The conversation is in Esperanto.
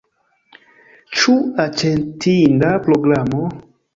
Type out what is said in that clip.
Ĉu aĉetinda programo?